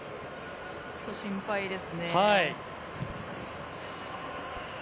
ちょっと心配ですね。